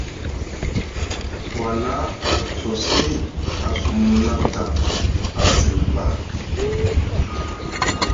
Wala a cosi a sumna dam, a zilba.